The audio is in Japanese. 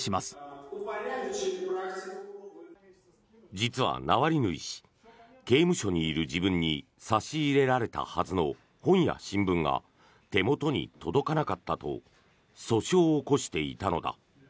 実はナワリヌイ氏刑務所にいる自分に差し入れられたはずの本や新聞が手元に届かなかったと訴訟を起こしていたのだ。